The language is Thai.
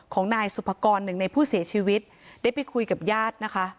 ของนายสุภกรหนึ่งในผู้เสียชีวิตได้ไปคุยกับญาตินะคะ